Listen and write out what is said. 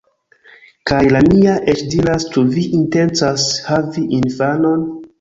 Kaj la mia eĉ diras "Ĉu vi intencas havi infanon?"